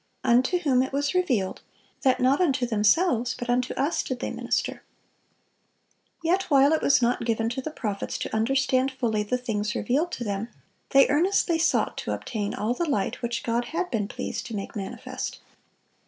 Unto whom it was revealed, that not unto themselves, but unto us they did minister."(573) Yet while it was not given to the prophets to understand fully the things revealed to them, they earnestly sought to obtain all the light which God had been pleased to make manifest.